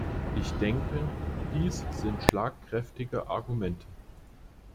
Ich denke, dies sind schlagkräftige Argumente.